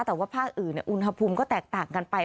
แต่ว่าภาคอื่นอุณหภูมิก็แตกต่างกันไป